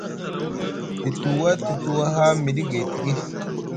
Te tuwa te tuwa haa mɗi gay tiki.